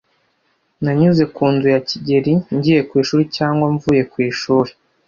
Nanyuze ku nzu ya kigeli ngiye ku ishuri cyangwa mvuye ku ishuri.